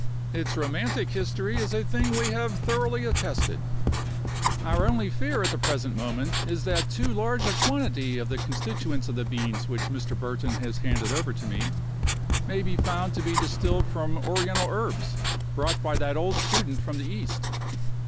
Its romantic history is a thing we have thoroughly attested. Our only fear at the present moment is that too large a quantity of the constituents of the beans which Mr. Burton has handed over to me, may be found to be distilled from Oriental herbs brought by that old student from the East.